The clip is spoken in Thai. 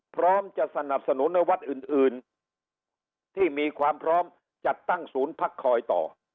พร้อมจะสนับสนุนในวัดอื่นที่มีความพร้อมจัดตั้งศูนย์พักคอยต่อ